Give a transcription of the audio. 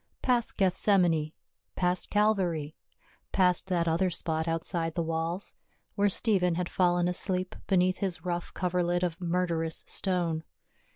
Past Gethsemanc, past Calvary, past that other spot outside the walls, where Stephen had fallen asleep beneath his rough coverlid of murderous stone.